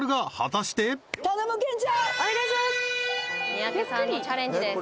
三宅さんのチャレンジです